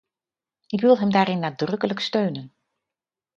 Ik wil hem daarin nadrukkelijk steunen.